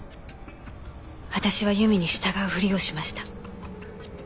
私は由美に従うふりをしました。